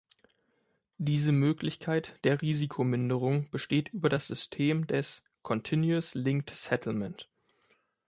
Diese Möglichkeit der Risikominderung besteht über das System des Continuous Linked Settlement.